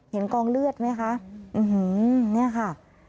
เห็นกล้องเลือดไหมคะนี่ค่ะ